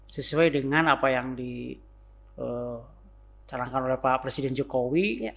sesuai dengan apa yang ditarangkan oleh pak presiden jokowi